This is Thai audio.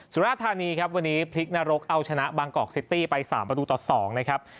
สุราธานีครับวันนี้พลิกนรกเอาชนะบางกอกซิตี้ไป๓ประตูต่อ๒นะครับ